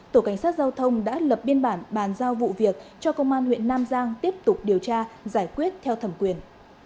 tổ cảnh sát giao thông đã lập biên bản bàn giao vụ việc cho công an huyện nam giang tiếp tục điều tra giải quyết theo thẩm quyền